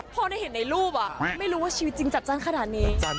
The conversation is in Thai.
พอได้เห็นในรูปไม่รู้ว่าชีวิตจริงจัดจ้านขนาดนี้